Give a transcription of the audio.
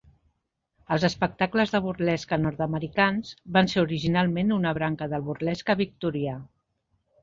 Els espectacles de burlesque nord-americans van ser originalment una branca del burlesque victorià.